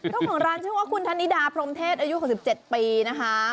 เจ้าของร้านชื่อว่าคุณธนิดาพรมเทศอายุ๖๗ปีนะคะ